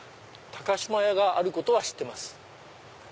島屋があることは知っています。